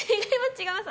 違います